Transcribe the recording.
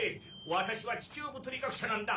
ワタシは地球物理学者なんだ。